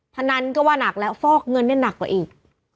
พนันก็ว่านักแล้วฟอกเงินได้หนักกว่าอีก